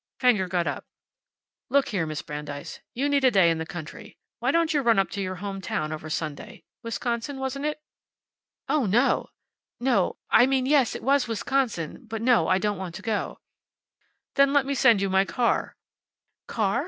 Fenger got up. "Look here, Miss Brandeis. You need a day in the country. Why don't you run up to your home town over Sunday? Wisconsin, wasn't it?" "Oh, no! No. I mean yes it was Wisconsin, but no I don't want to go." "Then let me send you my car." "Car!